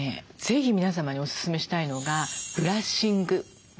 ぜひ皆様におすすめしたいのがブラッシング。